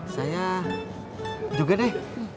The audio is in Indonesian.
saya juga deh